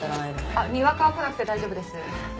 あっにわかは来なくて大丈夫です。